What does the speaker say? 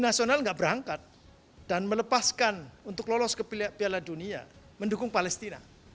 nasional tidak berangkat dan melepaskan untuk lolos ke piala dunia mendukung palestina